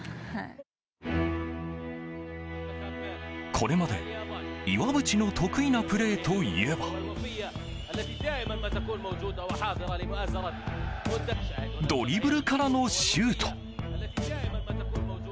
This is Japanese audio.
これまで岩渕の得意なプレーといえばドリブルからのシュート。